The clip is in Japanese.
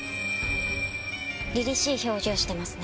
凛々しい表情してますね。